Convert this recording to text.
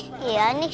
tidak ada yang nganjur